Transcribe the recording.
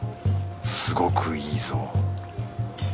すごくいいぞ。